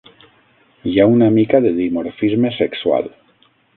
Hi ha una mica de dimorfisme sexual.